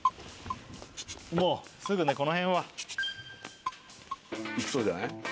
もうすぐねこのへんはいきそうじゃない？